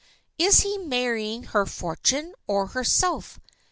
"Is he marrying her fortune, or herself?"